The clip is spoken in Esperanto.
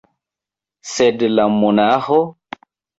Sed la monaĥo?